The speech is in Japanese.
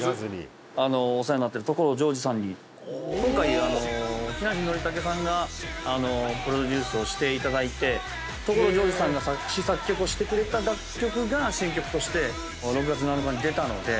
今回木梨憲武さんがプロデュースをしていただいて所ジョージさんが作詞作曲をしてくれた楽曲が新曲として６月７日に出たので。